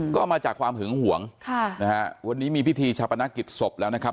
ก็มาจากความหึงหวงค่ะนะฮะวันนี้มีพิธีชาปนกิจศพแล้วนะครับ